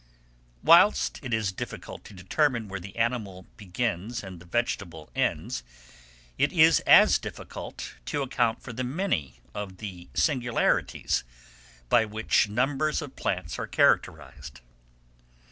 WHILST IT IS DIFFICULT TO DETERMINE where the animal begins and the vegetable ends, it is as difficult to account for many of the singularities by which numbers of plants are characterized.